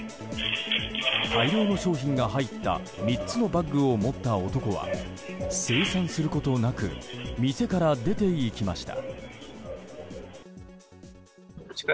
大量の商品が入った３つのバッグを持った男は精算することなく店から出ていきました。